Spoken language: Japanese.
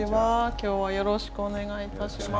今日はよろしくお願いいたします。